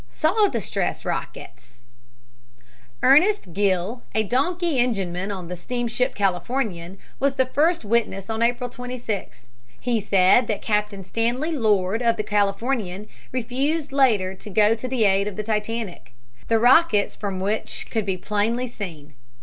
SAW DISTRESS ROCKETS Ernest Gill, a donkey engineman on the steamship Californian, was the first witness on April 26th. He said that Captain Stanley Lord, of the Californian, refused later to go to the aid of the Titanic, the rockets from which could be plainly seen.